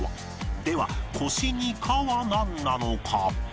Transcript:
では「腰」に「果」はなんなのか？